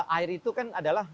air itu kan adalah